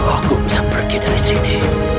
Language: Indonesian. aku bisa pergi dari sini